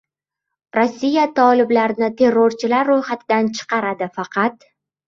Rossiya toliblarni terrorchilar ro‘yxatidan chiqaradi, faqat...